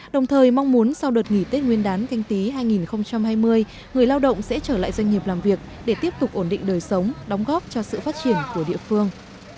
đồng thời mong muốn sau đợt nghỉ tết nguyên đán canh tí hai nghìn hai mươi người lao động sẽ trở lại doanh nghiệp làm việc để tiếp tục ổn định đời sống đóng góp cho sự phát triển của địa phương